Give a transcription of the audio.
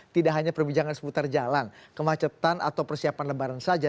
tidak hanya perbincangan seputar jalan kemacetan atau persiapan lebaran saja